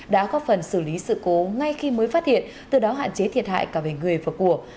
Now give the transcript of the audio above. đã góp phần xử lý sự cố ngay khi mới phát hiện từ đó hạn chế thiệt hại cả về người và của